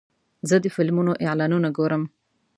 زه د فلمونو اعلانونه ګورم.